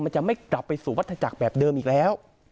จะไม่กลับไปสู่วัตถจักรแบบเดิมอีกแล้ว